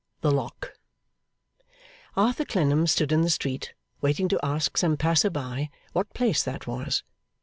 The Lock Arthur Clennam stood in the street, waiting to ask some passer by what place that was.